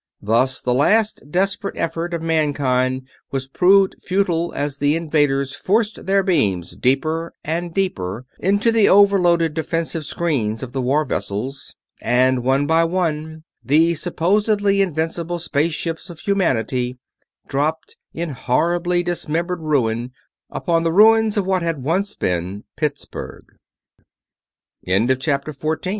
Thus the last desperate effort of mankind was proved futile as the invaders forced their beams deeper and deeper into the overloaded defensive screens of the war vessels; and one by one the supposedly invincible space ships of humanity dropped in horribly dismembered ruin upon the ruins of what had once been Pittsburgh. CHAPTER 15 SPECIMENS Only too well founded